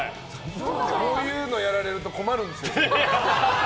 こういうのやられると困るんですよ。